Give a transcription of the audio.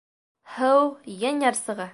— Һыу, ен ярсығы.